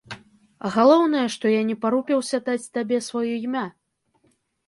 А галоўнае, што я не парупіўся даць табе сваё імя.